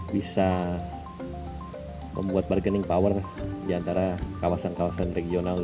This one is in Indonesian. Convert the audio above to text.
bisa membuat bargaining power di antara kawasan kawasan regional